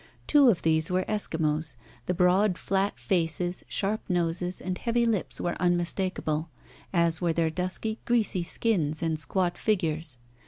Two of these were Eskimos. The broad, flat faces, sharp noses, and heavy lips were unmistakable, as were their dusky, greasy skins and squat figures.